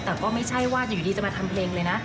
แต่ก็ไม่ใช่ว่าอยู่ดีจะมาทำเพลงเลยนะ